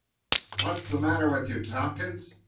"What's the matter with you, Tompkins?"